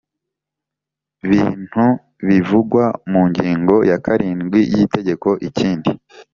bintu bivugwa mu ngingo ya karindwi y Itegeko Ikindi